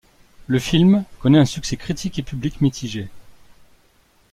Le film connait un succès critique et public mitigé.